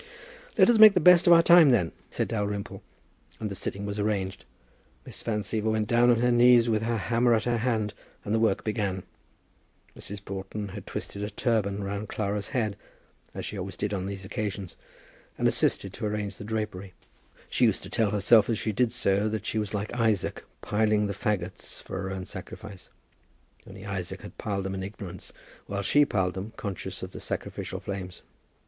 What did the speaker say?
"Let us make the best of our time then," said Dalrymple; and the sitting was arranged; Miss Van Siever went down on her knees with her hammer in her hand, and the work began. Mrs. Broughton had twisted a turban round Clara's head, as she always did on these occasions, and assisted to arrange the drapery. She used to tell herself as she did so, that she was like Isaac, piling the fagots for her own sacrifice. Only Isaac had piled them in ignorance, and she piled them conscious of the sacrificial flames.